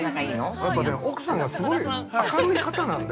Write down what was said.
◆やっぱね、奥さんがすごい明るい方なんで。